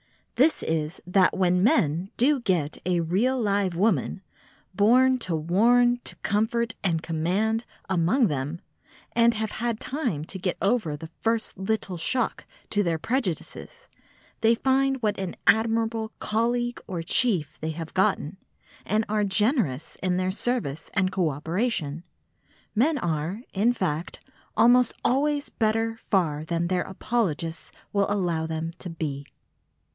This is, that when men do get a real live woman, born "to warn, to comfort and command" among them, and have had time to get over the first little shock to their prejudices, they find what an admirable colleague or chief they have gotten, and are generous in their service and co operation. Men are, in fact, almost always better far than their apologists will allow them to be.